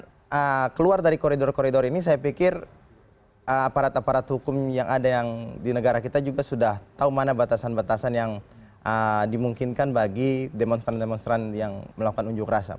kalau keluar dari koridor koridor ini saya pikir aparat aparat hukum yang ada yang di negara kita juga sudah tahu mana batasan batasan yang dimungkinkan bagi demonstran demonstran yang melakukan unjuk rasa